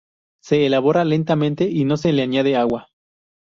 Se elabora lentamente, y no se le añade agua.